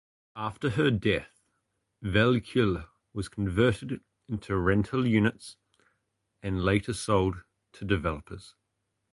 After her death, Val-Kill was converted into rental units and later sold to developers.